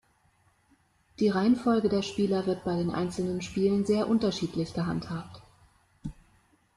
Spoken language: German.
Die Reihenfolge der Spieler wird bei den einzelnen Spielen sehr unterschiedlich gehandhabt.